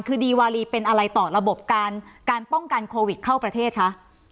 คือดีวารีเป็นอะไรต่อระบบการการป้องกันโควิดเข้าประเทศคะ